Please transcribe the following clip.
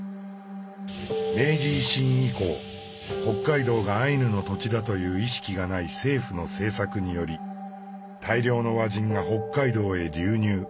明治維新以降北海道がアイヌの土地だという意識がない政府の政策により大量の和人が北海道へ流入。